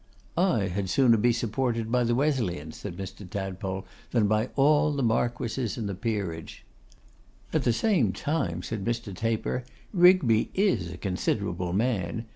'I had sooner be supported by the Wesleyans,' said Mr. Tadpole, 'than by all the marquesses in the peerage.' 'At the same time,' said Mr. Taper, 'Rigby is a considerable man.